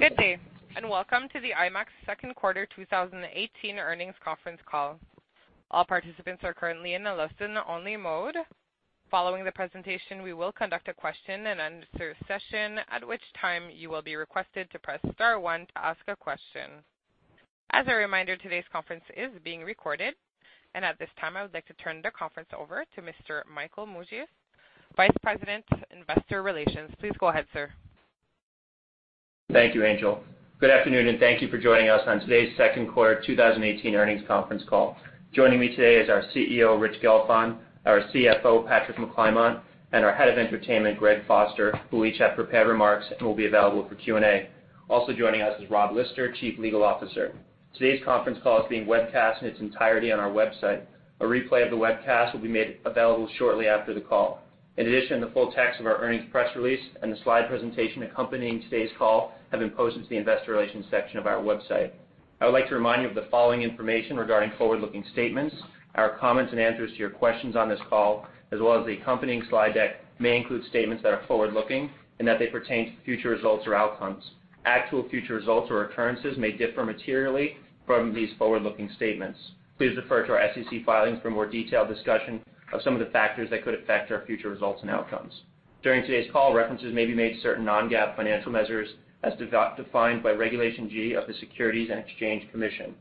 Good day, and welcome to the IMAX Second Quarter 2018 earnings conference call. All participants are currently in a listen-only mode. Following the presentation, we will conduct a question-and-answer session, at which time you will be requested to press star one to ask a question. As a reminder, today's conference is being recorded, and at this time, I would like to turn the conference over to Mr. Michael Mulvihill, Vice President, Investor Relations. Please go ahead, sir. Thank you, Angel. Good afternoon, and thank you for joining us on today's Second Quarter 2018 earnings conference call. Joining me today is our CEO, Rich Gelfond, our CFO, Patrick McClymont, and our Head of Entertainment, Greg Foster, who each have prepared remarks and will be available for Q&A. Also joining us is Rob Lister, Chief Legal Officer. Today's conference call is being webcast in its entirety on our website. A replay of the webcast will be made available shortly after the call. In addition, the full text of our earnings press release and the slide presentation accompanying today's call have been posted to the Investor Relations section of our website. I would like to remind you of the following information regarding forward-looking statements. Our comments and answers to your questions on this call, as well as the accompanying slide deck, may include statements that are forward-looking and that they pertain to future results or outcomes. Actual future results or occurrences may differ materially from these forward-looking statements. Please refer to our SEC filings for more detailed discussion of some of the factors that could affect our future results and outcomes. During today's call, references may be made to certain non-GAAP financial measures as defined by Regulation G of the Securities and Exchange Commission.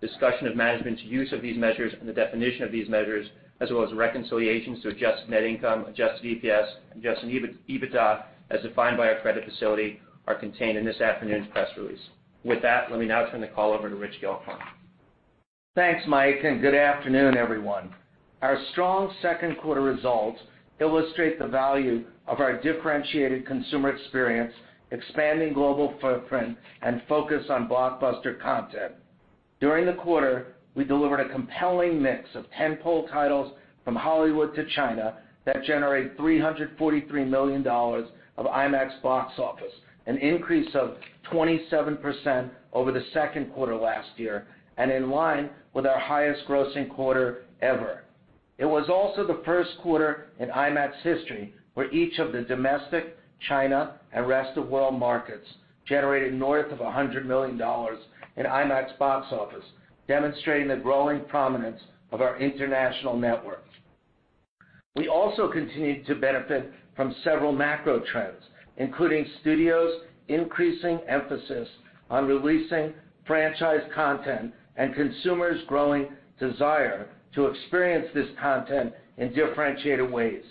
Discussion of management's use of these measures and the definition of these measures, as well as reconciliations to adjusted net income, adjusted EPS, and Adjusted EBITDA as defined by our credit facility, are contained in this afternoon's press release. With that, let me now turn the call over to Rich Gelfond. Thanks, Mike, and good afternoon, everyone. Our strong second quarter results illustrate the value of our differentiated consumer experience, expanding global footprint, and focus on blockbuster content. During the quarter, we delivered a compelling mix of tentpole titles from Hollywood to China that generated $343 million of IMAX box office, an increase of 27% over the second quarter last year and in line with our highest grossing quarter ever. It was also the first quarter in IMAX history where each of the domestic, China, and rest of world markets generated north of $100 million in IMAX box office, demonstrating the growing prominence of our international network. We also continued to benefit from several macro trends, including studios' increasing emphasis on releasing franchise content and consumers' growing desire to experience this content in differentiated ways.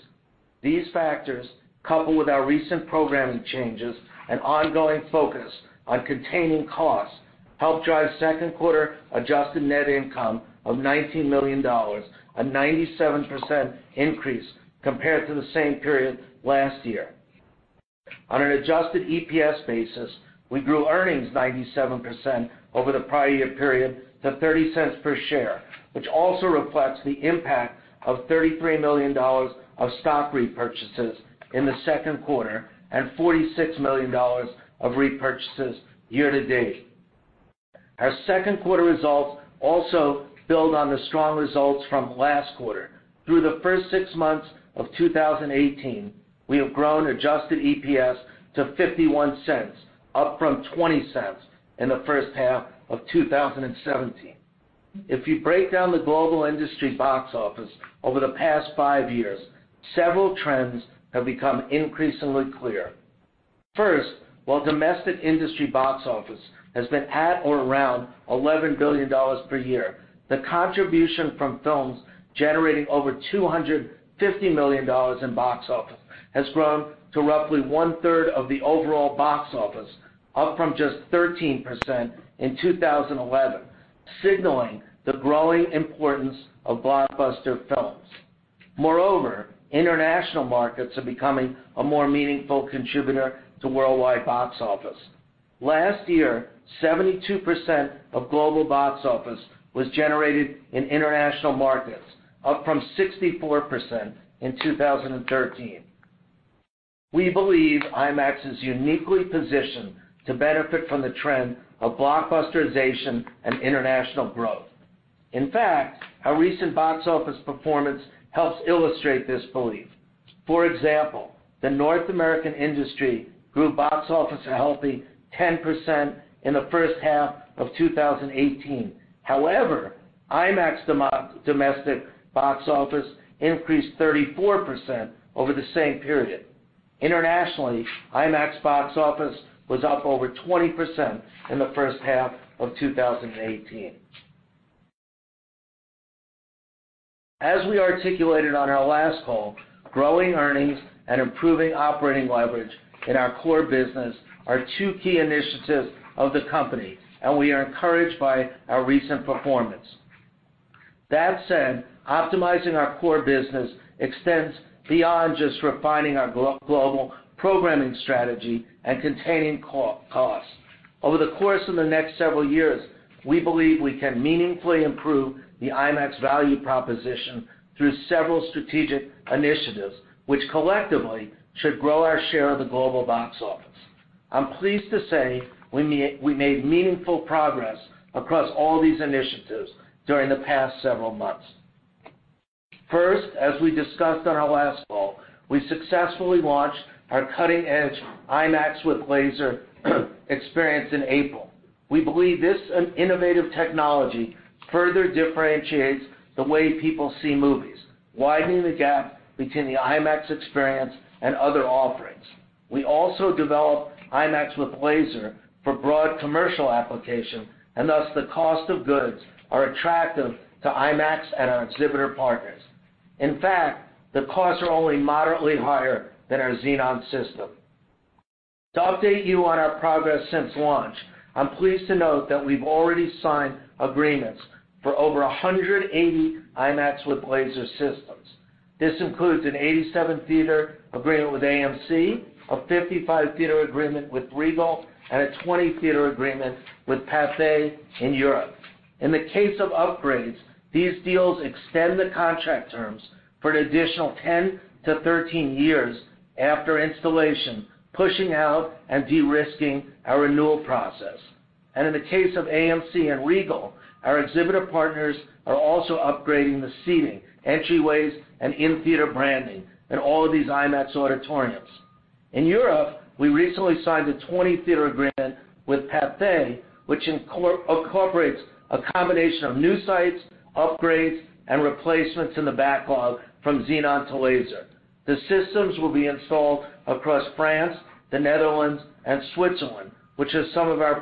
These factors, coupled with our recent programming changes and ongoing focus on containing costs, helped drive second quarter adjusted net income of $19 million, a 97% increase compared to the same period last year. On an Adjusted EPS basis, we grew earnings 97% over the prior year period to $0.30 per share, which also reflects the impact of $33 million of stock repurchases in the second quarter and $46 million of repurchases year to date. Our second quarter results also build on the strong results from last quarter. Through the first six months of 2018, we have grown adjusted EPS to $0.51, up from $0.20 in the first half of 2017. If you break down the global industry box office over the past five years, several trends have become increasingly clear. First, while domestic industry box office has been at or around $11 billion per year, the contribution from films generating over $250 million in box office has grown to roughly one-third of the overall box office, up from just 13% in 2011, signaling the growing importance of blockbuster films. Moreover, international markets are becoming a more meaningful contributor to worldwide box office. Last year, 72% of global box office was generated in international markets, up from 64% in 2013. We believe IMAX is uniquely positioned to benefit from the trend of blockbusterization and international growth. In fact, our recent box office performance helps illustrate this belief. For example, the North American industry grew box office a healthy 10% in the first half of 2018. However, IMAX's domestic box office increased 34% over the same period. Internationally, IMAX's box office was up over 20% in the first half of 2018. As we articulated on our last call, growing earnings and improving operating leverage in our core business are two key initiatives of the company, and we are encouraged by our recent performance. That said, optimizing our core business extends beyond just refining our global programming strategy and containing costs. Over the course of the next several years, we believe we can meaningfully improve the IMAX value proposition through several strategic initiatives, which collectively should grow our share of the global box office. I'm pleased to say we made meaningful progress across all these initiatives during the past several months. First, as we discussed on our last call, we successfully launched our cutting-edge IMAX with Laser experience in April. We believe this innovative technology further differentiates the way people see movies, widening the gap between the IMAX Experience and other offerings. We also developed IMAX with Laser for broad commercial application, and thus the cost of goods are attractive to IMAX and our exhibitor partners. In fact, the costs are only moderately higher than our Xenon system. To update you on our progress since launch, I'm pleased to note that we've already signed agreements for over 180 IMAX with Laser systems. This includes an 87-theater agreement with AMC, a 55-theater agreement with Regal, and a 20-theater agreement with Pathé in Europe. In the case of upgrades, these deals extend the contract terms for an additional 10 to 13 years after installation, pushing out and de-risking our renewal process, and in the case of AMC and Regal, our exhibitor partners are also upgrading the seating, entryways, and in-theater branding in all of these IMAX auditoriums. In Europe, we recently signed a 20-theater agreement with Pathé, which incorporates a combination of new sites, upgrades, and replacements in the backlog from Xenon to Laser. The systems will be installed across France, the Netherlands, and Switzerland, which are some of our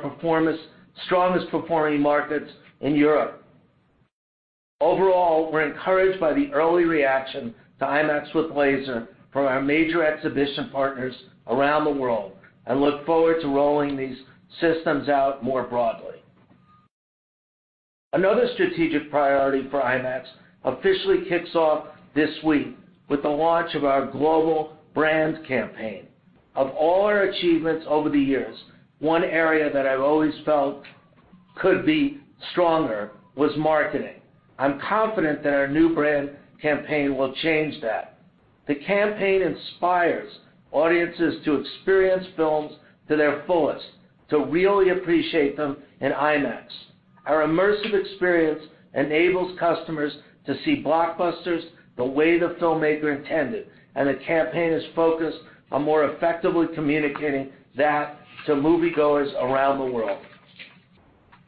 strongest performing markets in Europe. Overall, we're encouraged by the early reaction to IMAX with Laser from our major exhibition partners around the world and look forward to rolling these systems out more broadly. Another strategic priority for IMAX officially kicks off this week with the launch of our global brand campaign. Of all our achievements over the years, one area that I've always felt could be stronger was marketing. I'm confident that our new brand campaign will change that. The campaign inspires audiences to experience films to their fullest, to really appreciate them in IMAX. Our immersive experience enables customers to see blockbusters the way the filmmaker intended, and the campaign is focused on more effectively communicating that to moviegoers around the world.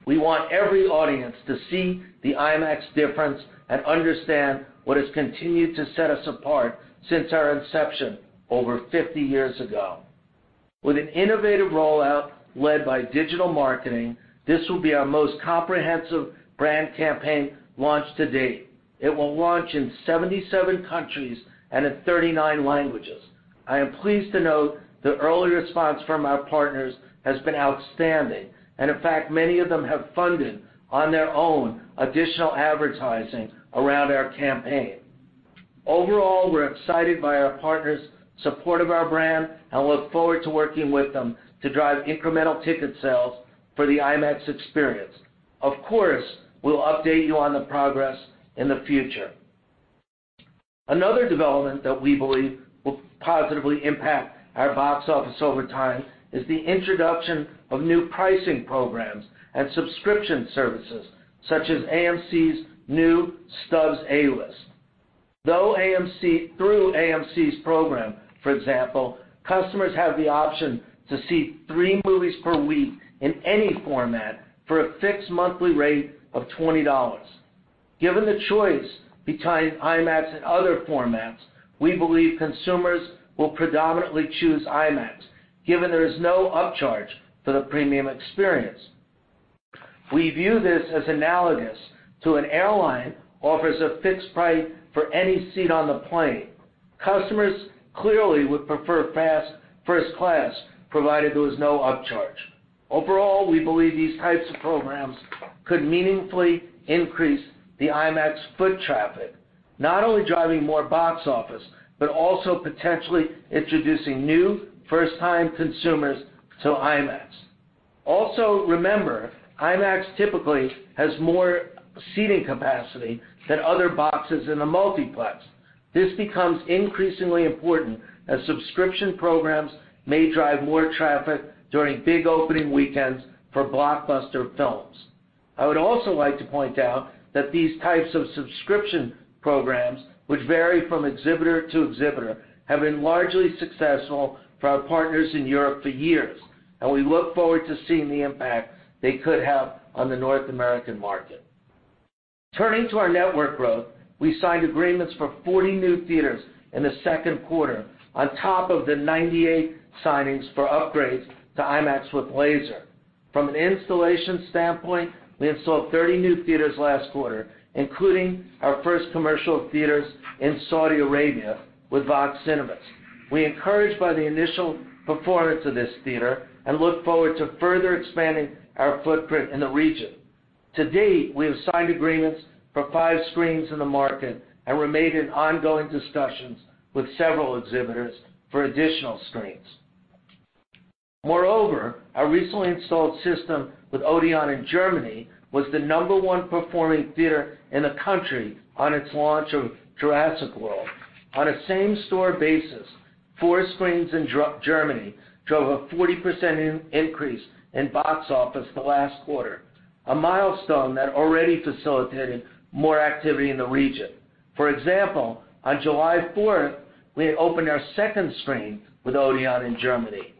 We want every audience to see the IMAX difference and understand what has continued to set us apart since our inception over 50 years ago. With an innovative rollout led by digital marketing, this will be our most comprehensive brand campaign launched to date. It will launch in 77 countries and in 39 languages. I am pleased to note the early response from our partners has been outstanding, and in fact, many of them have funded on their own additional advertising around our campaign. Overall, we're excited by our partners' support of our brand and look forward to working with them to drive incremental ticket sales for the IMAX experience. Of course, we'll update you on the progress in the future. Another development that we believe will positively impact our box office over time is the introduction of new pricing programs and subscription services, such as AMC's new Stubs A-List. Through AMC's program, for example, customers have the option to see three movies per week in any format for a fixed monthly rate of $20. Given the choice between IMAX and other formats, we believe consumers will predominantly choose IMAX, given there is no upcharge for the premium experience. We view this as analogous to an airline offering a fixed price for any seat on the plane. Customers clearly would prefer first class, provided there was no upcharge. Overall, we believe these types of programs could meaningfully increase the IMAX foot traffic, not only driving more box office but also potentially introducing new first-time consumers to IMAX. Also, remember, IMAX typically has more seating capacity than other boxes in the multiplex. This becomes increasingly important as subscription programs may drive more traffic during big opening weekends for blockbuster films. I would also like to point out that these types of subscription programs, which vary from exhibitor to exhibitor, have been largely successful for our partners in Europe for years, and we look forward to seeing the impact they could have on the North American market. Turning to our network growth, we signed agreements for 40 new theaters in the second quarter, on top of the 98 signings for upgrades to IMAX with Laser. From an installation standpoint, we installed 30 new theaters last quarter, including our first commercial theaters in Saudi Arabia with Vox Cinemas. We are encouraged by the initial performance of this theater and look forward to further expanding our footprint in the region. To date, we have signed agreements for five screens in the market and remain in ongoing discussions with several exhibitors for additional screens. Moreover, our recently installed system with Odeon in Germany was the number one performing theater in the country on its launch of Jurassic World. On a same-store basis, four screens in Germany drove a 40% increase in box office the last quarter, a milestone that already facilitated more activity in the region. For example, on July 4th, we opened our second screen with Odeon in Germany.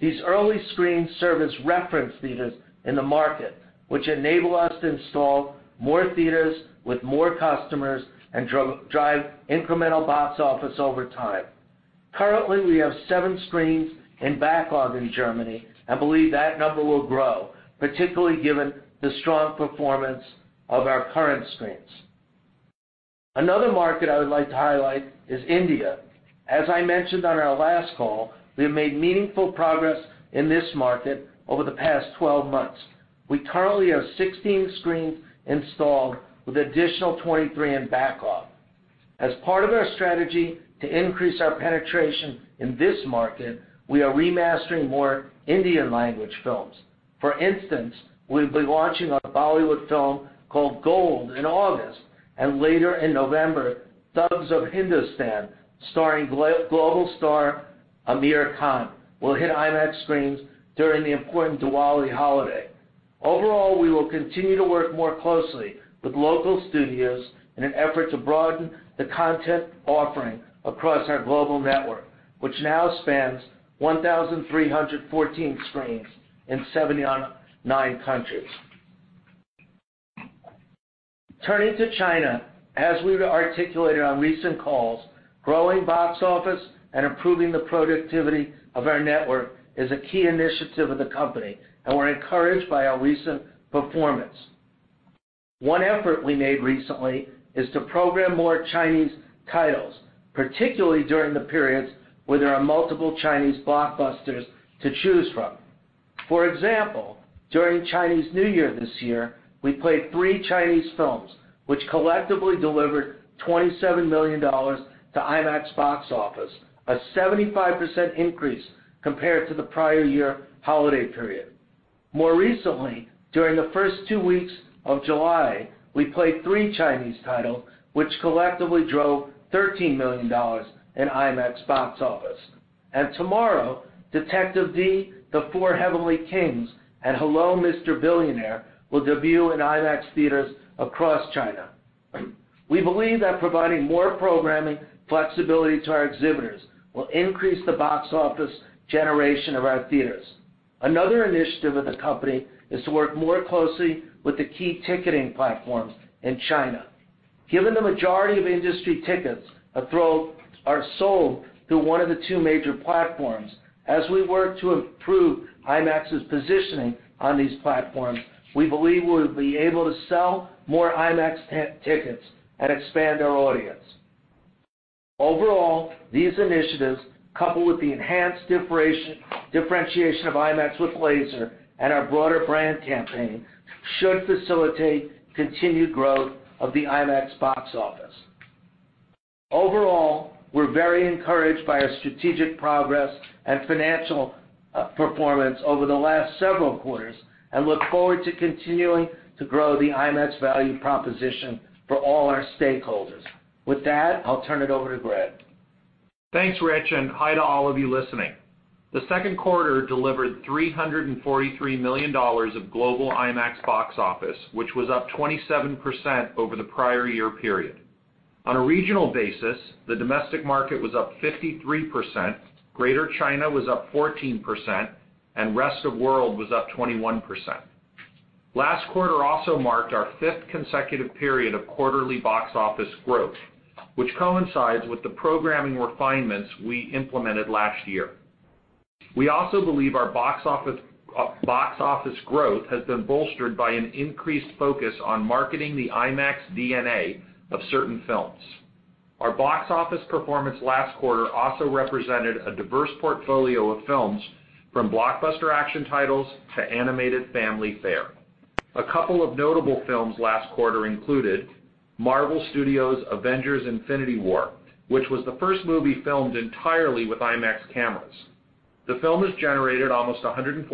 These early screens serve as reference theaters in the market, which enable us to install more theaters with more customers and drive incremental box office over time. Currently, we have seven screens in backlog in Germany and believe that number will grow, particularly given the strong performance of our current screens. Another market I would like to highlight is India. As I mentioned on our last call, we have made meaningful progress in this market over the past 12 months. We currently have 16 screens installed with additional 23 in backlog. As part of our strategy to increase our penetration in this market, we are remastering more Indian-language films. For instance, we will be launching a Bollywood film called Gold in August, and later in November, Thugs of Hindostan, starring global star Aamir Khan, will hit IMAX screens during the important Diwali holiday. Overall, we will continue to work more closely with local studios in an effort to broaden the content offering across our global network, which now spans 1,314 screens in 79 countries. Turning to China, as we've articulated on recent calls, growing box office and improving the productivity of our network is a key initiative of the company, and we're encouraged by our recent performance. One effort we made recently is to program more Chinese titles, particularly during the periods where there are multiple Chinese blockbusters to choose from. For example, during Chinese New Year this year, we played three Chinese films, which collectively delivered $27 million to IMAX box office, a 75% increase compared to the prior year holiday period. More recently, during the first two weeks of July, we played three Chinese titles, which collectively drove $13 million in IMAX box office. Tomorrow, Detective Dee: The Four Heavenly Kings and Hello Mr. Billionaire will debut in IMAX theaters across China. We believe that providing more programming flexibility to our exhibitors will increase the box office generation of our theaters. Another initiative of the company is to work more closely with the key ticketing platforms in China. Given the majority of industry tickets are sold through one of the two major platforms, as we work to improve IMAX's positioning on these platforms, we believe we will be able to sell more IMAX tickets and expand our audience. Overall, these initiatives, coupled with the enhanced differentiation of IMAX with Laser and our broader brand campaign, should facilitate continued growth of the IMAX box office. Overall, we're very encouraged by our strategic progress and financial performance over the last several quarters and look forward to continuing to grow the IMAX value proposition for all our stakeholders. With that, I'll turn it over to Greg. Thanks, Rich, and hi to all of you listening. The second quarter delivered $343 million of global IMAX box office, which was up 27% over the prior year period. On a regional basis, the domestic market was up 53%, Greater China was up 14%, and Rest of World was up 21%. Last quarter also marked our fifth consecutive period of quarterly box office growth, which coincides with the programming refinements we implemented last year. We also believe our box office growth has been bolstered by an increased focus on marketing the IMAX DNA of certain films. Our box office performance last quarter also represented a diverse portfolio of films, from blockbuster action titles to animated family fare. A couple of notable films last quarter included Marvel Studios' Avengers: Infinity War, which was the first movie filmed entirely with IMAX cameras. The film has generated almost $145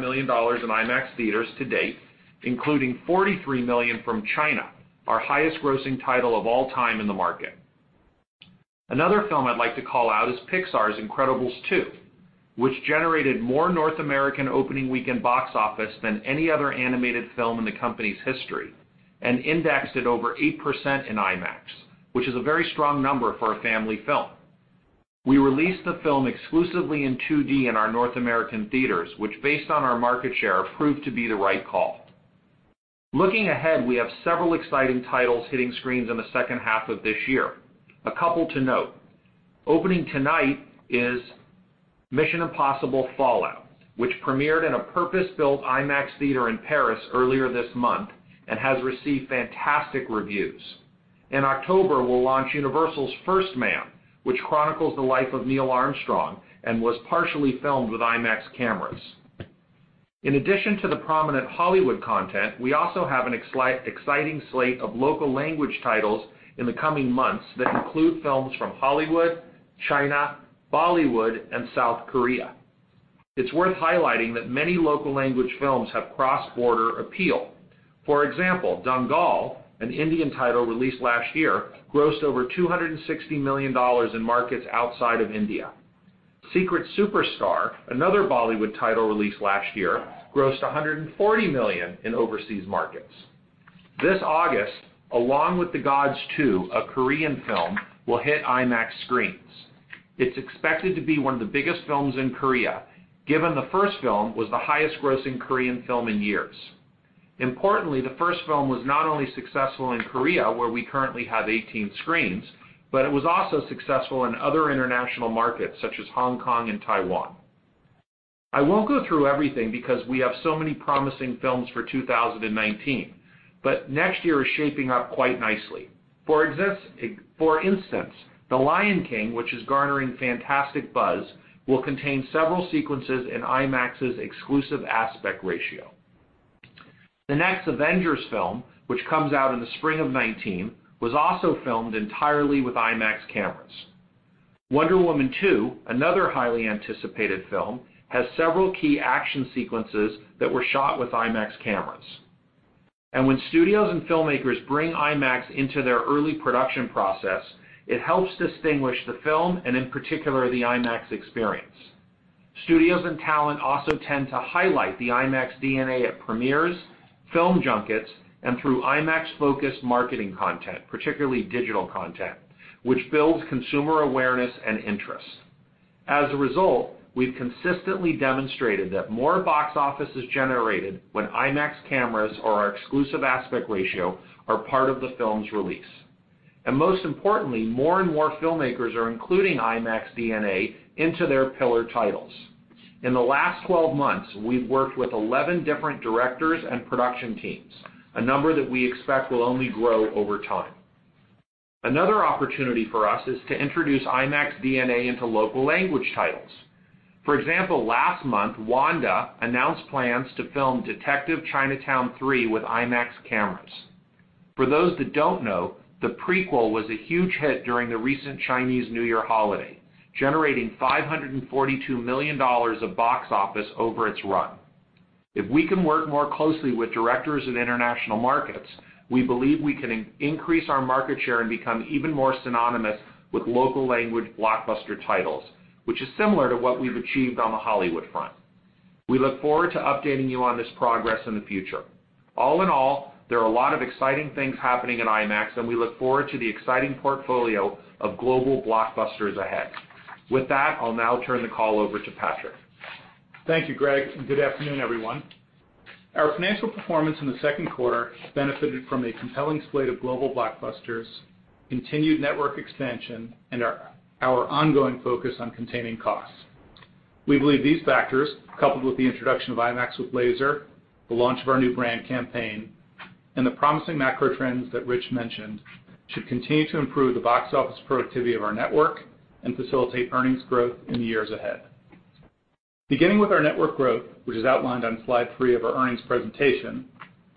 million in IMAX theaters to date, including $43 million from China, our highest-grossing title of all time in the market. Another film I'd like to call out is Pixar's Incredibles 2, which generated more North American opening weekend box office than any other animated film in the company's history and indexed at over 8% in IMAX, which is a very strong number for a family film. We released the film exclusively in 2D in our North American theaters, which, based on our market share, proved to be the right call. Looking ahead, we have several exciting titles hitting screens in the second half of this year. A couple to note: opening tonight is Mission: Impossible - Fallout, which premiered in a purpose-built IMAX theater in Paris earlier this month and has received fantastic reviews. In October, we'll launch Universal's First Man, which chronicles the life of Neil Armstrong and was partially filmed with IMAX cameras. In addition to the prominent Hollywood content, we also have an exciting slate of local-language titles in the coming months that include films from Hollywood, China, Bollywood, and South Korea. It's worth highlighting that many local-language films have cross-border appeal. For example, Dangal, an Indian title released last year, grossed over $260 million in markets outside of India. Secret Superstar, another Bollywood title released last year, grossed $140 million in overseas markets. This August, Along with the Gods 2, a Korean film, will hit IMAX screens. It's expected to be one of the biggest films in Korea, given the first film was the highest-grossing Korean film in years. Importantly, the first film was not only successful in Korea, where we currently have 18 screens, but it was also successful in other international markets, such as Hong Kong and Taiwan. I won't go through everything because we have so many promising films for 2019, but next year is shaping up quite nicely. For instance, The Lion King, which is garnering fantastic buzz, will contain several sequences in IMAX's exclusive aspect ratio. The next Avengers film, which comes out in the spring of 2019, was also filmed entirely with IMAX cameras. Wonder Woman 2, another highly anticipated film, has several key action sequences that were shot with IMAX cameras. And when studios and filmmakers bring IMAX into their early production process, it helps distinguish the film and, in particular, the IMAX experience. Studios and talent also tend to highlight the IMAX DNA at premieres, film junkets, and through IMAX-focused marketing content, particularly digital content, which builds consumer awareness and interest. As a result, we've consistently demonstrated that more box office is generated when IMAX cameras or our exclusive aspect ratio are part of the film's release. And most importantly, more and more filmmakers are including IMAX DNA into their pillar titles. In the last 12 months, we've worked with 11 different directors and production teams, a number that we expect will only grow over time. Another opportunity for us is to introduce IMAX DNA into local-language titles. For example, last month, Wanda announced plans to film Detective Chinatown 3 with IMAX cameras. For those that don't know, the prequel was a huge hit during the recent Chinese New Year holiday, generating $542 million of box office over its run. If we can work more closely with directors in international markets, we believe we can increase our market share and become even more synonymous with local-language blockbuster titles, which is similar to what we've achieved on the Hollywood front. We look forward to updating you on this progress in the future. All in all, there are a lot of exciting things happening in IMAX, and we look forward to the exciting portfolio of global blockbusters ahead. With that, I'll now turn the call over to Patrick. Thank you, Greg, and good afternoon, everyone. Our financial performance in the second quarter benefited from a compelling slate of global blockbusters, continued network expansion, and our ongoing focus on containing costs. We believe these factors, coupled with the introduction of IMAX with Laser, the launch of our new brand campaign, and the promising macro trends that Rich mentioned, should continue to improve the box office productivity of our network and facilitate earnings growth in the years ahead. Beginning with our network growth, which is outlined on slide three of our earnings presentation,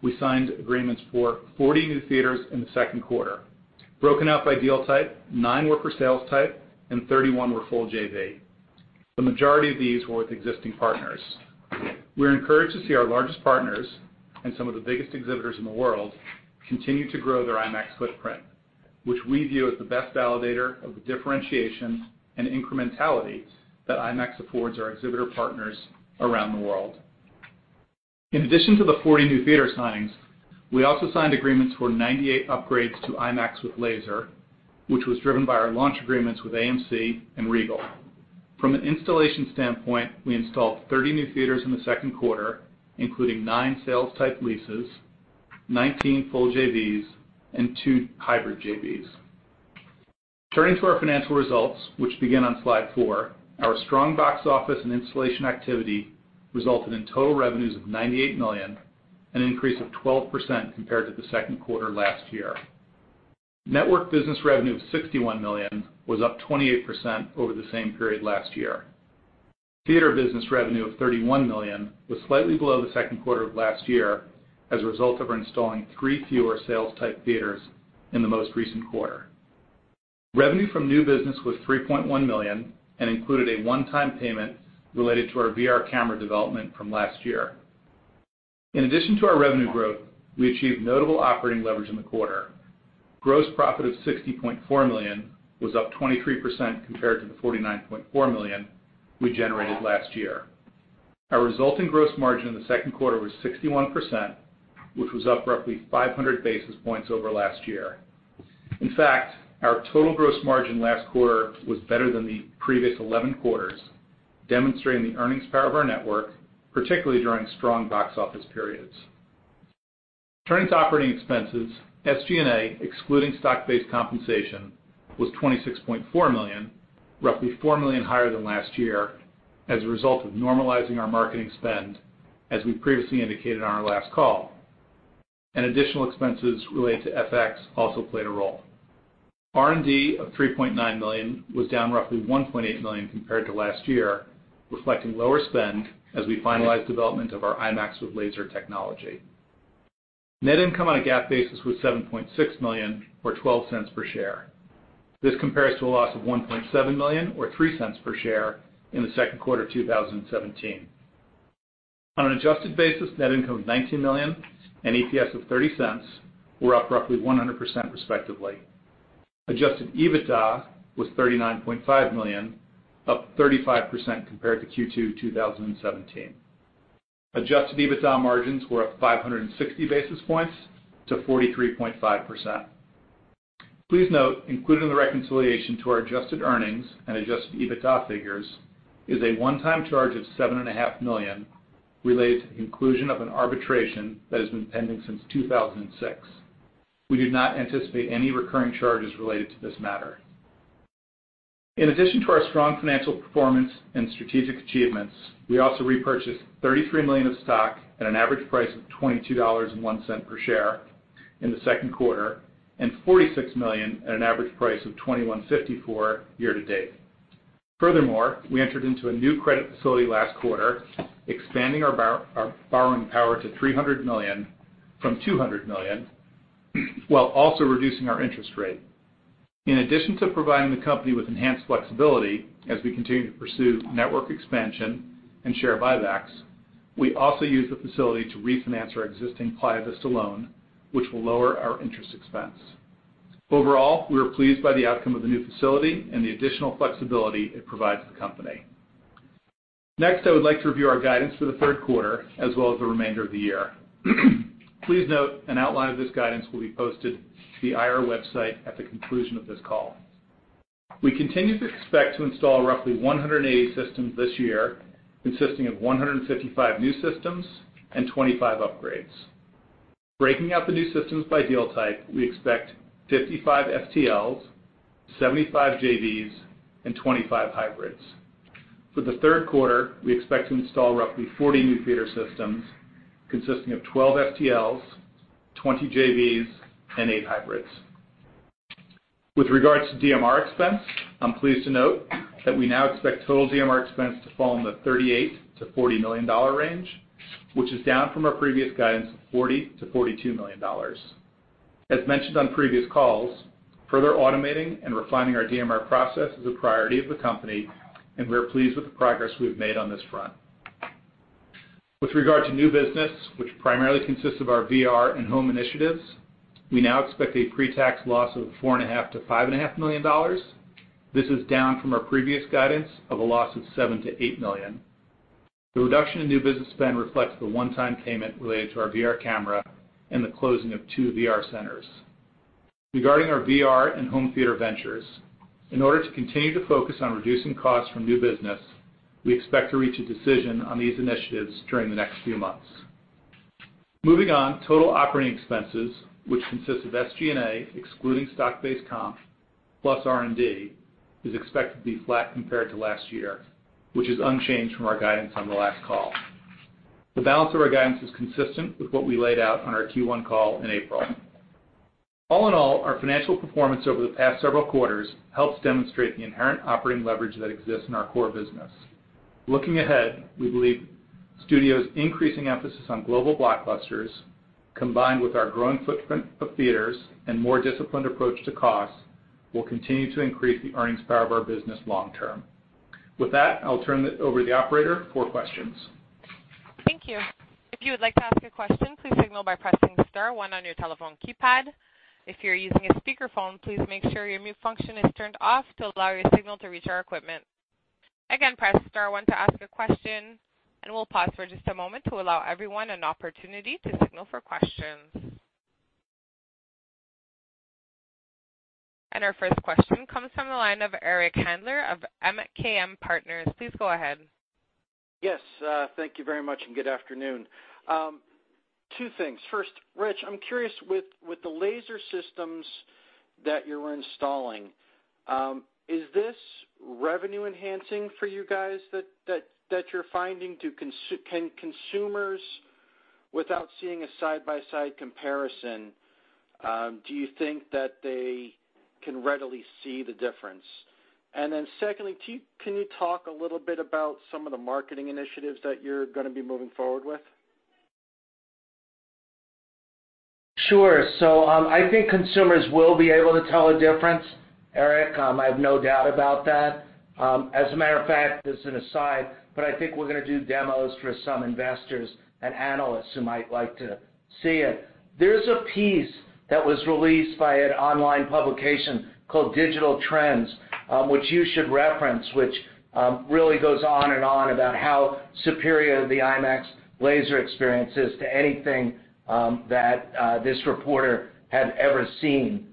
we signed agreements for 40 new theaters in the second quarter, broken out by deal type, nine were for sales-type, and 31 were full JV. The majority of these were with existing partners. We are encouraged to see our largest partners and some of the biggest exhibitors in the world continue to grow their IMAX footprint, which we view as the best validator of the differentiation and incrementality that IMAX affords our exhibitor partners around the world. In addition to the 40 new theater signings, we also signed agreements for 98 upgrades to IMAX with Laser, which was driven by our launch agreements with AMC and Regal. From an installation standpoint, we installed 30 new theaters in the second quarter, including 9 sales-type leases, 19 full JVs, and 2 hybrid JVs. Turning to our financial results, which begin on slide four, our strong box office and installation activity resulted in total revenues of $98 million, an increase of 12% compared to the second quarter last year. Network business revenue of $61 million was up 28% over the same period last year. Theater business revenue of $31 million was slightly below the second quarter of last year as a result of installing three fewer sales-type theaters in the most recent quarter. Revenue from new business was $3.1 million and included a one-time payment related to our VR camera development from last year. In addition to our revenue growth, we achieved notable operating leverage in the quarter. Gross profit of $60.4 million was up 23% compared to the $49.4 million we generated last year. Our resulting gross margin in the second quarter was 61%, which was up roughly 500 basis points over last year. In fact, our total gross margin last quarter was better than the previous 11 quarters, demonstrating the earnings power of our network, particularly during strong box office periods. Turning to operating expenses, SG&A, excluding stock-based compensation, was $26.4 million, roughly $4 million higher than last year as a result of normalizing our marketing spend, as we previously indicated on our last call, and additional expenses related to FX also played a role. R&D of $3.9 million was down roughly $1.8 million compared to last year, reflecting lower spend as we finalized development of our IMAX with Laser technology. Net income on a GAAP basis was $7.6 million, or $0.12 per share. This compares to a loss of $1.7 million, or $0.03 per share, in the second quarter of 2017. On an Adjusted basis, net income of $19 million and EPS of $0.30 were up roughly 100%, respectively. Adjusted EBITDA was $39.5 million, up 35% compared to Q2 2017. Adjusted EBITDA margins were up 560 basis points to 43.5%. Please note, included in the reconciliation to our adjusted earnings and Adjusted EBITDA figures is a one-time charge of $7.5 million related to the conclusion of an arbitration that has been pending since 2006. We do not anticipate any recurring charges related to this matter. In addition to our strong financial performance and strategic achievements, we also repurchased $33 million of stock at an average price of $22.01 per share in the second quarter and $46 million at an average price of $21.54 year to date. Furthermore, we entered into a new credit facility last quarter, expanding our borrowing power to $300 million from $200 million, while also reducing our interest rate. In addition to providing the company with enhanced flexibility as we continue to pursue network expansion and share buybacks, we also used the facility to refinance our existing Playa Vista loan, which will lower our interest expense. Overall, we are pleased by the outcome of the new facility and the additional flexibility it provides the company. Next, I would like to review our guidance for the third quarter, as well as the remainder of the year. Please note, an outline of this guidance will be posted to the IR website at the conclusion of this call. We continue to expect to install roughly 180 systems this year, consisting of 155 new systems and 25 upgrades. Breaking out the new systems by deal type, we expect 55 STLs, 75 JVs, and 25 hybrids. For the third quarter, we expect to install roughly 40 new theater systems, consisting of 12 STLs, 20 JVs, and 8 hybrids. With regards to DMR expense, I'm pleased to note that we now expect total DMR expense to fall in the $38-$40 million range, which is down from our previous guidance of $40-$42 million. As mentioned on previous calls, further automating and refining our DMR process is a priority of the company, and we are pleased with the progress we've made on this front. With regard to new business, which primarily consists of our VR and home initiatives, we now expect a pre-tax loss of $4.5-$5.5 million. This is down from our previous guidance of a loss of $7-$8 million. The reduction in new business spend reflects the one-time payment related to our VR camera and the closing of two VR centers. Regarding our VR and home theater ventures, in order to continue to focus on reducing costs from new business, we expect to reach a decision on these initiatives during the next few months. Moving on, total operating expenses, which consist of SG&A, excluding stock-based comp, plus R&D, is expected to be flat compared to last year, which is unchanged from our guidance on the last call. The balance of our guidance is consistent with what we laid out on our Q1 call in April. All in all, our financial performance over the past several quarters helps demonstrate the inherent operating leverage that exists in our core business. Looking ahead, we believe studios' increasing emphasis on global blockbusters, combined with our growing footprint of theaters and more disciplined approach to costs, will continue to increase the earnings power of our business long-term. With that, I'll turn it over to the operator for questions. Thank you. If you would like to ask a question, please signal by pressing Star 1 on your telephone keypad. If you're using a speakerphone, please make sure your mute function is turned off to allow your signal to reach our equipment. Again, press Star 1 to ask a question, and we'll pause for just a moment to allow everyone an opportunity to signal for questions. And our first question comes from the line of Eric Handler of MKM Partners. Please go ahead. Yes. Thank you very much and good afternoon. Two things. First, Rich, I'm curious, with the laser systems that you're installing, is this revenue-enhancing for you guys that you're finding? Can consumers, without seeing a side-by-side comparison, do you think that they can readily see the difference? And then secondly, can you talk a little bit about some of the marketing initiatives that you're going to be moving forward with? Sure. So I think consumers will be able to tell a difference, Eric. I have no doubt about that. As a matter of fact, this is an aside, but I think we're going to do demos for some investors and analysts who might like to see it. There's a piece that was released by an online publication called Digital Trends, which you should reference, which really goes on and on about how superior the IMAX laser experience is to anything that this reporter had ever seen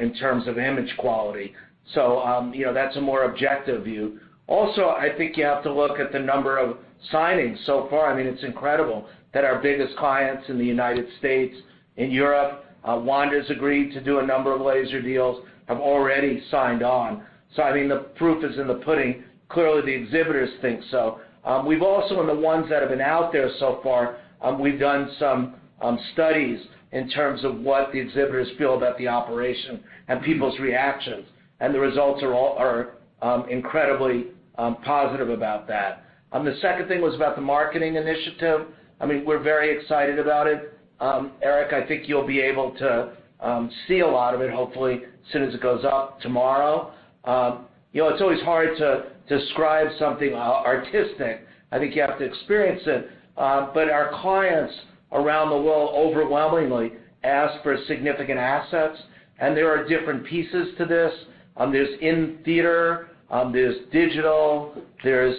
in terms of image quality. So that's a more objective view. Also, I think you have to look at the number of signings so far. I mean, it's incredible that our biggest clients in the United States, in Europe, Wanda's agreed to do a number of laser deals, have already signed on. So I mean, the proof is in the pudding. Clearly, the exhibitors think so. We've also, in the ones that have been out there so far, we've done some studies in terms of what the exhibitors feel about the operation and people's reactions. And the results are incredibly positive about that. The second thing was about the marketing initiative. I mean, we're very excited about it. Eric, I think you'll be able to see a lot of it, hopefully, as soon as it goes up tomorrow. It's always hard to describe something artistic. I think you have to experience it, but our clients around the world overwhelmingly ask for significant assets, and there are different pieces to this. There's in-theater, there's digital, there's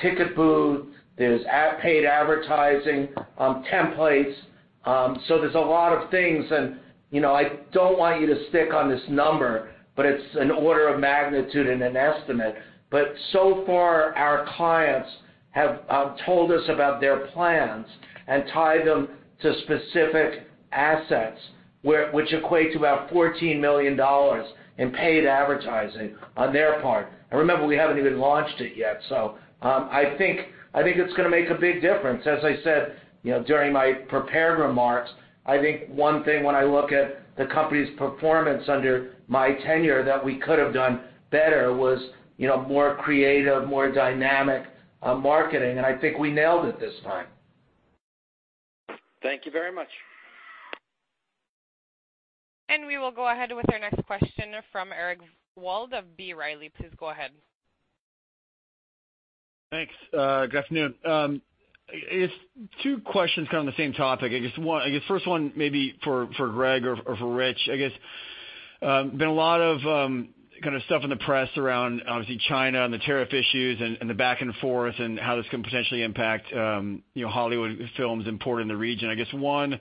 ticket booth, there's paid advertising, templates, so there's a lot of things, and I don't want you to stick on this number, but it's an order of magnitude and an estimate, but so far, our clients have told us about their plans and tied them to specific assets, which equate to about $14 million in paid advertising on their part, and remember, we haven't even launched it yet, so I think it's going to make a big difference. As I said during my prepared remarks, I think one thing when I look at the company's performance under my tenure that we could have done better was more creative, more dynamic marketing. I think we nailed it this time. Thank you very much. We will go ahead with our next question from Eric Wold of B. Riley FBR. Please go ahead. Thanks. Good afternoon. Two questions kind of on the same topic. I guess first one maybe for Greg or for Rich. I guess there's been a lot of kind of stuff in the press around, obviously, China and the tariff issues and the back and forth and how this can potentially impact Hollywood films imported in the region. I guess one,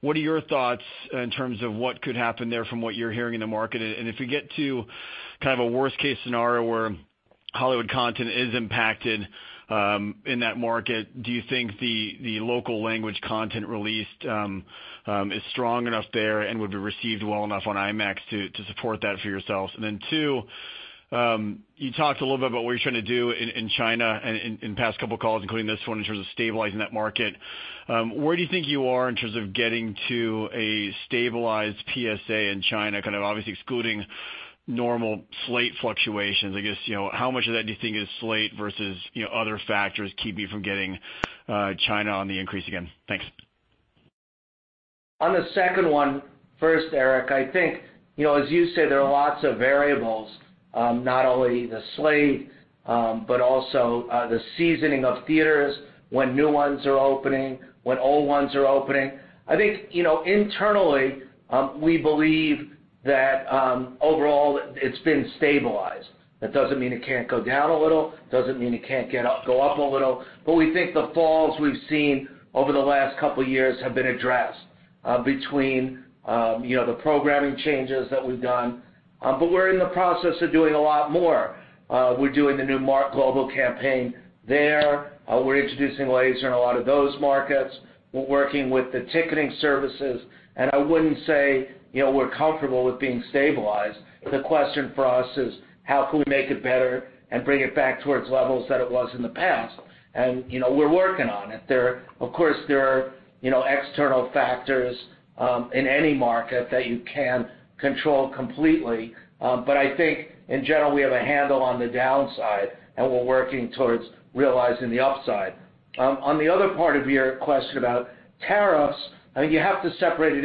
what are your thoughts in terms of what could happen there from what you're hearing in the market? And if we get to kind of a worst-case scenario where Hollywood content is impacted in that market, do you think the local language content released is strong enough there and would be received well enough on IMAX to support that for yourselves? And then two, you talked a little bit about what you're trying to do in China in past couple of calls, including this one, in terms of stabilizing that market. Where do you think you are in terms of getting to a stabilized PSA in China, kind of obviously excluding normal slate fluctuations? I guess how much of that do you think is slate versus other factors keeping you from getting China on the increase again? Thanks. On the second one, first, Eric, I think, as you said, there are lots of variables, not only the slate, but also the seasoning of theaters when new ones are opening, when old ones are opening. I think internally, we believe that overall, it's been stabilized. That doesn't mean it can't go down a little. It doesn't mean it can't go up a little. But we think the falls we've seen over the last couple of years have been addressed between the programming changes that we've done. But we're in the process of doing a lot more. We're doing the new brand Global campaign there. We're introducing laser in a lot of those markets. We're working with the ticketing services. And I wouldn't say we're comfortable with being stabilized. The question for us is, how can we make it better and bring it back towards levels that it was in the past? And we're working on it. Of course, there are external factors in any market that you can't control completely. But I think, in general, we have a handle on the downside, and we're working towards realizing the upside. On the other part of your question about tariffs, I mean, you have to separate it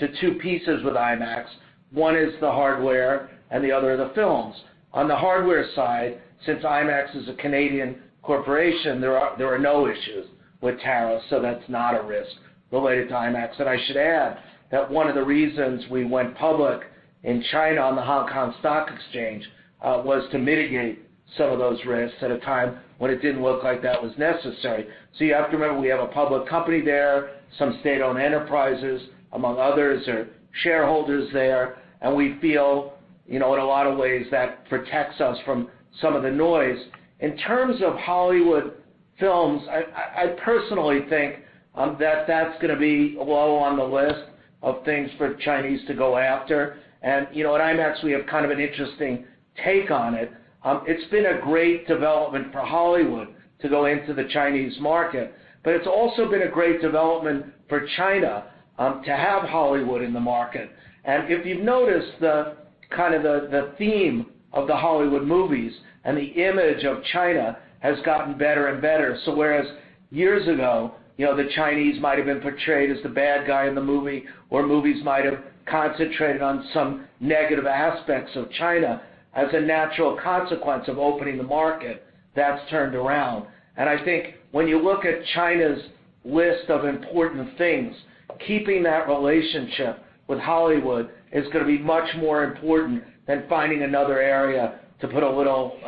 into two pieces with IMAX. One is the hardware, and the other are the films. On the hardware side, since IMAX is a Canadian corporation, there are no issues with tariffs, so that's not a risk related to IMAX. And I should add that one of the reasons we went public in China on the Hong Kong Stock Exchange was to mitigate some of those risks at a time when it didn't look like that was necessary. So you have to remember, we have a public company there, some state-owned enterprises, among others, are shareholders there. And we feel, in a lot of ways, that protects us from some of the noise. In terms of Hollywood films, I personally think that that's going to be low on the list of things for Chinese to go after. And at IMAX, we have kind of an interesting take on it. It's been a great development for Hollywood to go into the Chinese market. But it's also been a great development for China to have Hollywood in the market. And if you've noticed, kind of the theme of the Hollywood movies and the image of China has gotten better and better. So whereas years ago, the Chinese might have been portrayed as the bad guy in the movie, or movies might have concentrated on some negative aspects of China, as a natural consequence of opening the market, that's turned around. And I think when you look at China's list of important things, keeping that relationship with Hollywood is going to be much more important than finding another area to put a little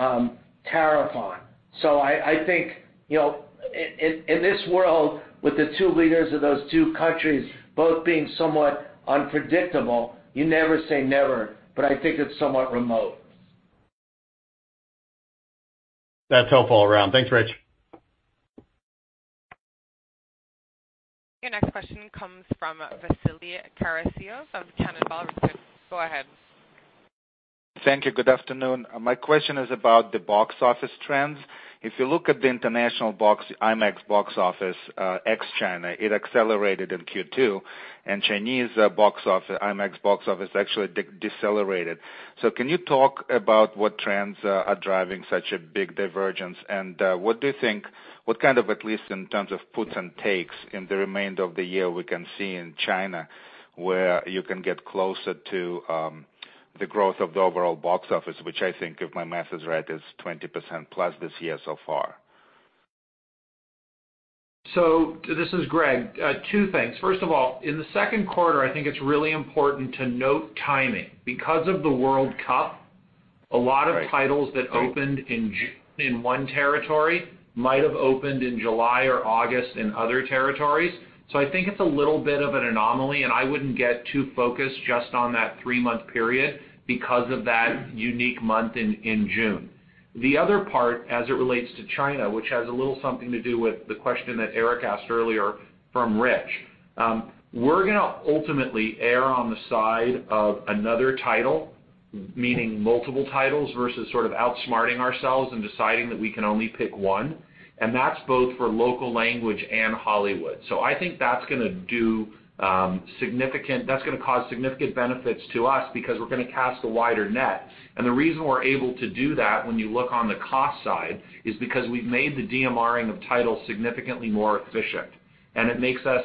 tariff on. So I think in this world, with the two leaders of those two countries both being somewhat unpredictable, you never say never, but I think it's somewhat remote. That's helpful all around. Thanks, Rich. Your next question comes from Vasily Karasyov of Cannonball. Go ahead. Thank you. Good afternoon. My question is about the box office trends. If you look at the international IMAX box office ex-China, it accelerated in Q2, and Chinese IMAX box office actually decelerated. So can you talk about what trends are driving such a big divergence? And what do you think, what kind of, at least in terms of puts and takes, in the remainder of the year we can see in China where you can get closer to the growth of the overall box office, which I think, if my math is right, is 20% plus this year so far? So this is Greg. Two things. First of all, in the second quarter, I think it's really important to note timing. Because of the World Cup, a lot of titles that opened in one territory might have opened in July or August in other territories. So I think it's a little bit of an anomaly, and I wouldn't get too focused just on that three-month period because of that unique month in June. The other part, as it relates to China, which has a little something to do with the question that Eric asked earlier from Rich, we're going to ultimately err on the side of another title, meaning multiple titles versus sort of outsmarting ourselves and deciding that we can only pick one. And that's both for local language and Hollywood. So I think that's going to do significant, that's going to cause significant benefits to us because we're going to cast a wider net. And the reason we're able to do that, when you look on the cost side, is because we've made the DMRing of titles significantly more efficient. And it makes us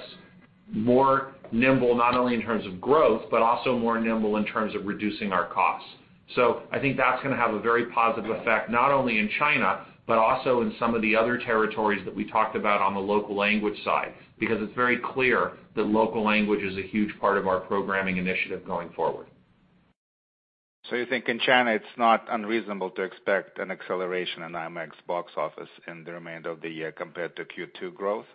more nimble, not only in terms of growth, but also more nimble in terms of reducing our costs. So I think that's going to have a very positive effect, not only in China, but also in some of the other territories that we talked about on the local language side, because it's very clear that local language is a huge part of our programming initiative going forward. So you think in China it's not unreasonable to expect an acceleration in IMAX box office in the remainder of the year compared to Q2 growth?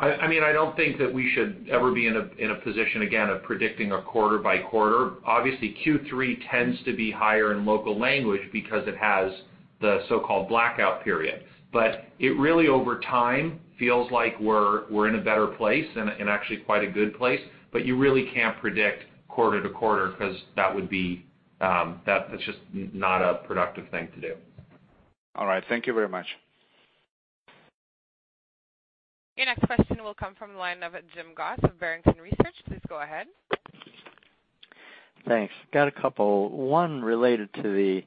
I mean, I don't think that we should ever be in a position, again, of predicting a quarter-by-quarter. Obviously, Q3 tends to be higher in local language because it has the so-called blackout period. But it really, over time, feels like we're in a better place and actually quite a good place. But you really can't predict quarter-to-quarter because that would be—that's just not a productive thing to do. All right. Thank you very much. Your next question will come from the line of Jim Goss of Barrington Research. Please go ahead. Thanks. Got a couple. One related to the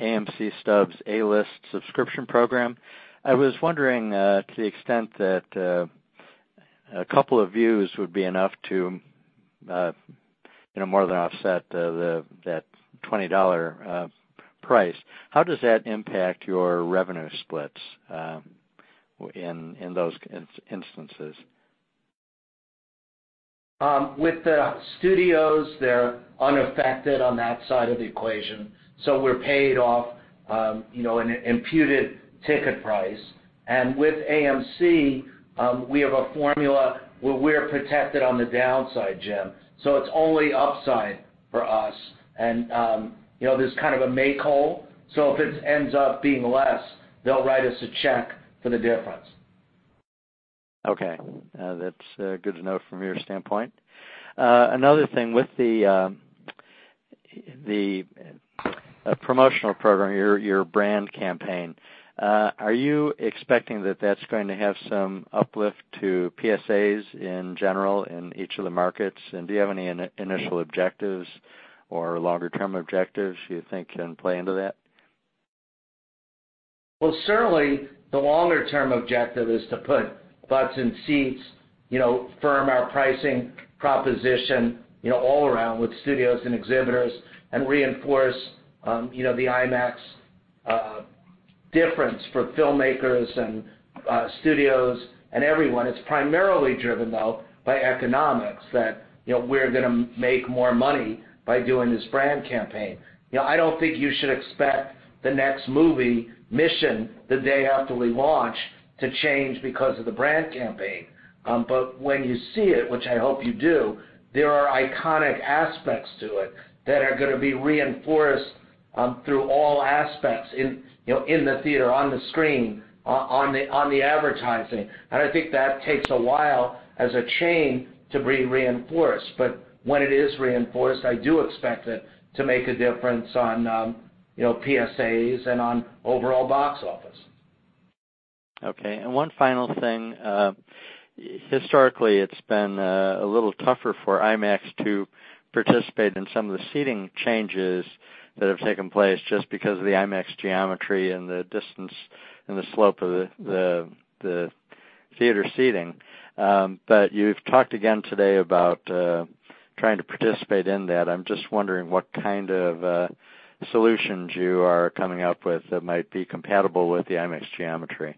AMC Stubs A-List subscription program. I was wondering to the extent that a couple of views would be enough to more than offset that $20 price. How does that impact your revenue splits in those instances? With the studios, they're unaffected on that side of the equation. So we're paid off an imputed ticket price. And with AMC, we have a formula where we're protected on the downside, Jim. So it's only upside for us. And there's kind of a make-whole. So if it ends up being less, they'll write us a check for the difference. Okay. That's good to know from your standpoint. Another thing with the promotional program, your brand campaign, are you expecting that that's going to have some uplift to PSAs in general in each of the markets? And do you have any initial objectives or longer-term objectives you think can play into that? Well, certainly, the longer-term objective is to put butts in seats, firm our pricing proposition all around with studios and exhibitors, and reinforce the IMAX difference for filmmakers and studios and everyone. It's primarily driven, though, by economics that we're going to make more money by doing this brand campaign. I don't think you should expect the next movie mission the day after we launch to change because of the brand campaign. But when you see it, which I hope you do, there are iconic aspects to it that are going to be reinforced through all aspects in the theater, on the screen, on the advertising. And I think that takes a while as a chain to be reinforced. But when it is reinforced, I do expect it to make a difference on PSAs and on overall box office. Okay. And one final thing. Historically, it's been a little tougher for IMAX to participate in some of the seating changes that have taken place just because of the IMAX geometry and the distance and the slope of the theater seating. But you've talked again today about trying to participate in that. I'm just wondering what kind of solutions you are coming up with that might be compatible with the IMAX geometry?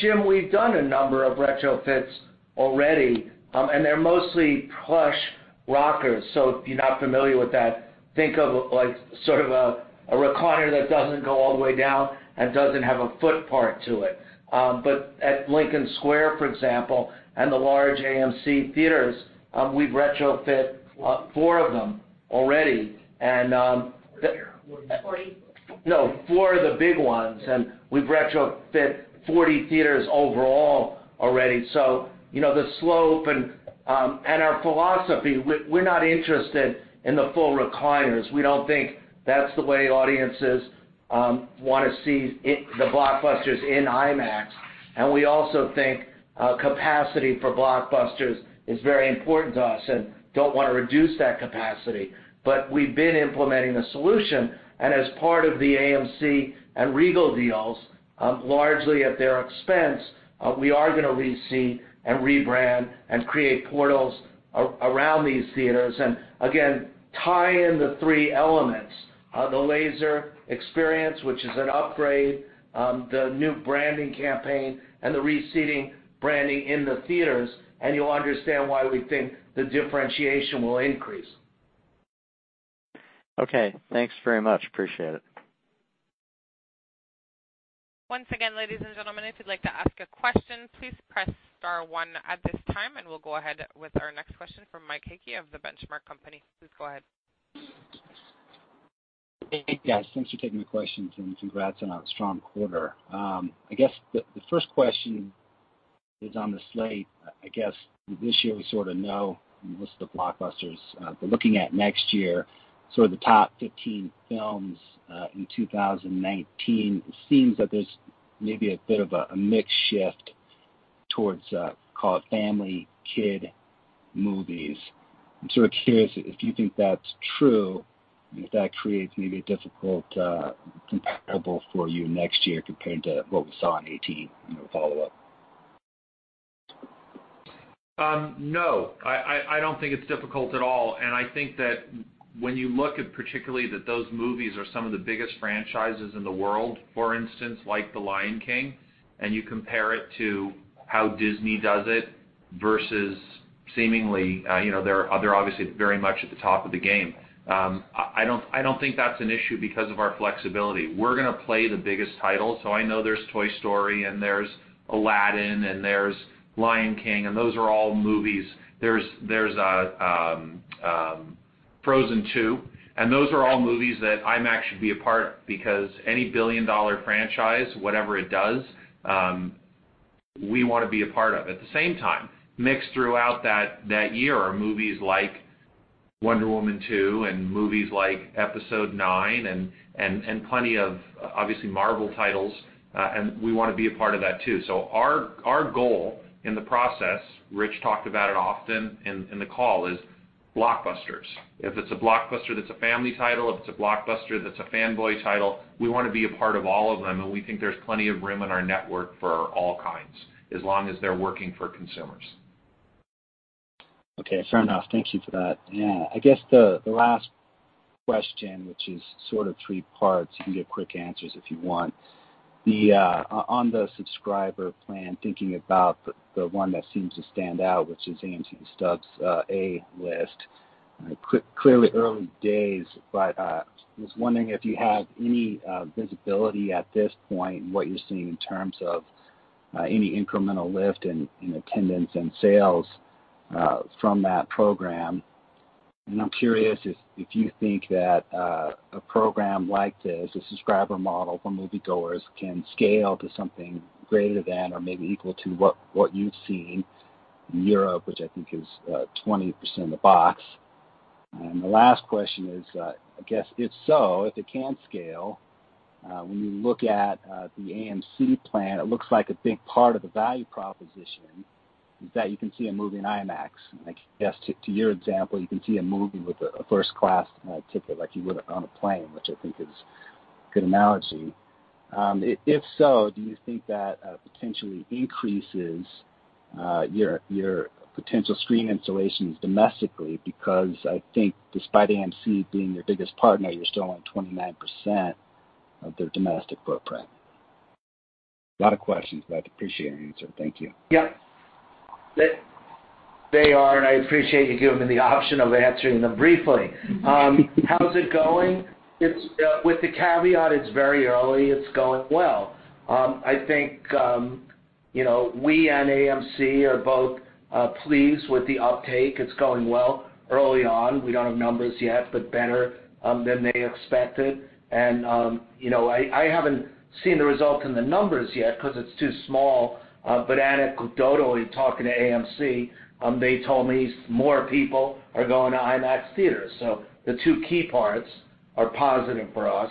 Jim, we've done a number of retrofits already, and they're mostly plush rockers. If you're not familiar with that, think of sort of a recliner that doesn't go all the way down and doesn't have a foot part to it. At Lincoln Square, for example, and the large AMC theaters, we've retrofit four of them already. No, four of the big ones. We've retrofit 40 theaters overall already. The slope and our philosophy, we're not interested in the full recliners. We don't think that's the way audiences want to see the blockbusters in IMAX. We also think capacity for blockbusters is very important to us and don't want to reduce that capacity. We've been implementing the solution. As part of the AMC and Regal deals, largely at their expense, we are going to reseat and rebrand and create portals around these theaters. And again, tie in the three elements: the laser experience, which is an upgrade, the new branding campaign, and the reseating branding in the theaters. And you'll understand why we think the differentiation will increase. Okay. Thanks very much. Appreciate it. Once again, ladies and gentlemen, if you'd like to ask a question, please press star one at this time, and we'll go ahead with our next question from Mike Hickey of The Benchmark Company. Please go ahead. Hey, guys. Thanks for taking my questions, and congrats on a strong quarter. I guess the first question is on the slate. I guess this year we sort of know most of the blockbusters. But looking at next year, sort of the top 15 films in 2019, it seems that there's maybe a bit of a mixed shift towards family kid movies. I'm sort of curious if you think that's true, if that creates maybe a difficult comparable for you next year compared to what we saw in 2018 in the follow-up. No. I don't think it's difficult at all. And I think that when you look at particularly that those movies are some of the biggest franchises in the world, for instance, like The Lion King, and you compare it to how Disney does it versus seemingly they're obviously very much at the top of the game. I don't think that's an issue because of our flexibility. We're going to play the biggest titles, so I know there's Toy Story, and there's Aladdin, and there's Lion King, and those are all movies. There's Frozen 2, and those are all movies that IMAX should be a part of because any billion-dollar franchise, whatever it does, we want to be a part of. At the same time, mixed throughout that year are movies like Wonder Woman 2 and movies like Episode 9 and plenty of, obviously, Marvel titles, and we want to be a part of that too, so our goal in the process, Rich talked about it often in the call, is blockbusters. If it's a blockbuster that's a family title, if it's a blockbuster that's a fanboy title, we want to be a part of all of them, and we think there's plenty of room in our network for all kinds as long as they're working for consumers. Okay. Fair enough. Thank you for that. Yeah. I guess the last question, which is sort of three parts, you can get quick answers if you want. On the subscriber plan, thinking about the one that seems to stand out, which is AMC Stubs A-List, clearly early days, but I was wondering if you have any visibility at this point in what you're seeing in terms of any incremental lift in attendance and sales from that program. And I'm curious if you think that a program like this, a subscriber model for moviegoers, can scale to something greater than or maybe equal to what you've seen in Europe, which I think is 20% of the box. And the last question is, I guess, if so, if it can scale, when you look at the AMC plan, it looks like a big part of the value proposition is that you can see a movie in IMAX. And I guess to your example, you can see a movie with a first-class ticket like you would on a plane, which I think is a good analogy. If so, do you think that potentially increases your potential screen installations domestically? Because I think despite AMC being your biggest partner, you're still only 29% of their domestic footprint. A lot of questions, but I appreciate your answer. Thank you. Yep. They are, and I appreciate you giving me the option of answering them briefly. How's it going? With the caveat, it's very early. It's going well. I think we and AMC are both pleased with the uptake. It's going well early on. We don't have numbers yet, but better than they expected. And I haven't seen the results in the numbers yet because it's too small. But Anna Cudodo was talking to AMC. They told me more people are going to IMAX theaters, so the two key parts are positive for us.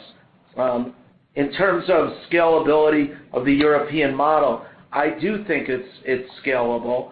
In terms of scalability of the European model, I do think it's scalable.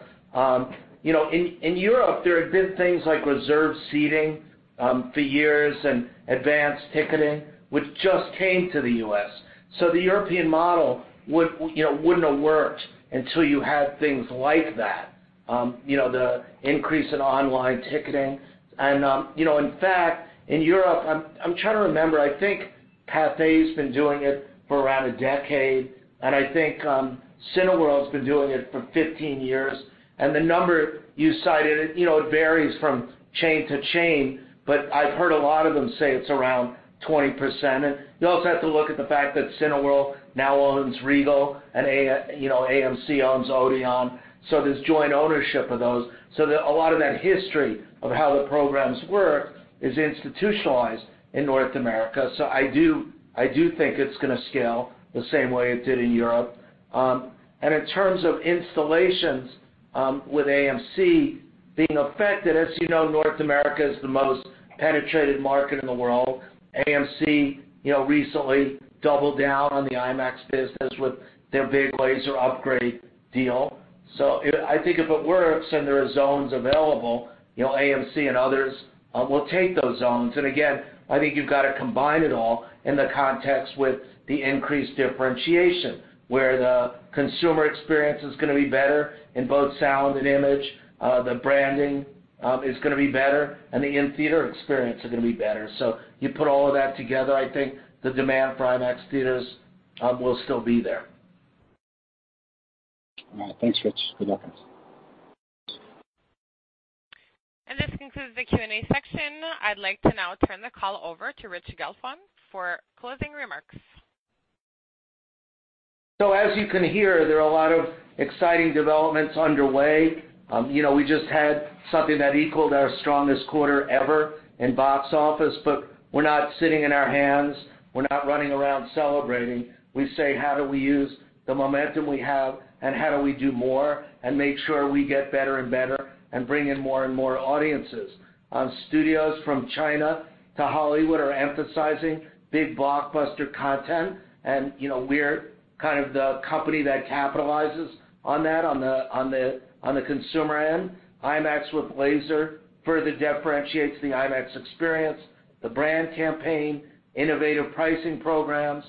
In Europe, there have been things like reserved seating for years and advanced ticketing, which just came to the U.S., so the European model wouldn't have worked until you had things like that, the increase in online ticketing, and in fact, in Europe, I'm trying to remember. I think Pathe been doing it for around a decade, and I think Cineworld's been doing it for 15 years, and the number you cited, it varies from chain to chain, but I've heard a lot of them say it's around 20%, and you also have to look at the fact that Cineworld now owns Regal, and AMC owns Odeon, so there's joint ownership of those. So a lot of that history of how the programs work is institutionalized in North America. So I do think it's going to scale the same way it did in Europe. And in terms of installations with AMC being affected, as you know, North America is the most penetrated market in the world. AMC recently doubled down on the IMAX business with their big laser upgrade deal. So I think if it works and there are zones available, AMC and others will take those zones. And again, I think you've got to combine it all in the context with the increased differentiation where the consumer experience is going to be better in both sound and image. The branding is going to be better, and the in-theater experience is going to be better. So you put all of that together, I think the demand for IMAX theaters will still be there. All right. Thanks, Rich. Good luck with this. And this concludes the Q&A section. I'd like to now turn the call over to Rich Gelfond for closing remarks. So as you can hear, there are a lot of exciting developments underway. We just had something that equaled our strongest quarter ever in box office, but we're not sitting in our hands. We're not running around celebrating. We say, "How do we use the momentum we have, and how do we do more and make sure we get better and better and bring in more and more audiences?" Studios from China to Hollywood are emphasizing big blockbuster content, and we're kind of the company that capitalizes on that on the consumer end. IMAX with Laser further differentiates the IMAX experience, the brand campaign, innovative pricing programs,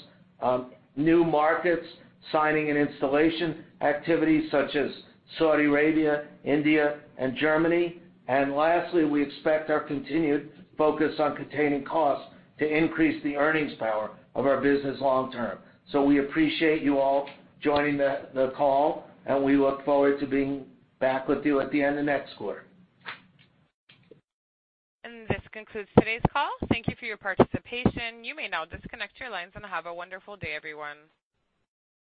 new markets, signing and installation activities such as Saudi Arabia, India, and Germany. And lastly, we expect our continued focus on containing costs to increase the earnings power of our business long-term. So we appreciate you all joining the call, and we look forward to being back with you at the end of next quarter. And this concludes today's call. Thank you for your participation. You may now disconnect your lines and have a wonderful day, everyone.